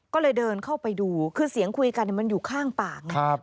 ก็เลยเดินเข้าไปดูคือเสียงคุยกันมันอยู่ข้างปากไง